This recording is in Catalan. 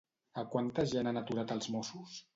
A quanta gent han aturat els Mossos?